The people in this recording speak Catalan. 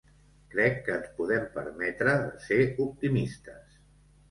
Crec que ens podem permetre de ser optimistes.